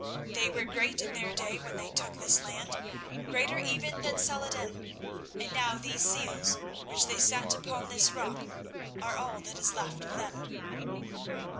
They were great in their day when they took this land, greater even than Salah ed din, and now these seals which they set upon this rock are all that is left of them."